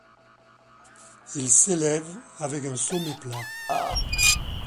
Il s'élève à avec un sommet plat.